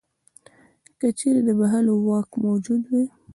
که چیرې د بخښلو واک موجود وای.